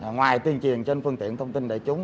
ngoài tuyên truyền trên phương tiện thông tin đại chúng